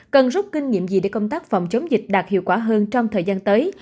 cần rút kinh nghiệm gì để công tác phòng chống dịch đạt hiệu quả hơn trong thời gian tới